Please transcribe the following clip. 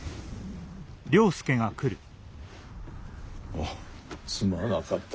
おおすまなかった。